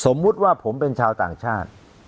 สมมุติว่าผมเป็นชาวต่างชาติ